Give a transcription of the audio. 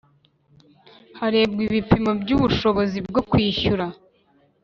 Harebwa ibipimo by’ubushobozi bwo kwishyura